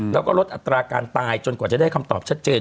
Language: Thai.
แล้วก็ลดอัตราการตายจนกว่าจะได้คำตอบชัดเจน